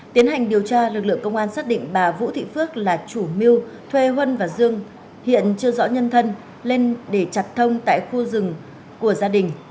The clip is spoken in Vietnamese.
tiến hành điều tra lực lượng công an xác định bà vũ thị phước là chủ mưu thuê huân và dương hiện chưa rõ nhân thân lên để chặt thông tại khu rừng của gia đình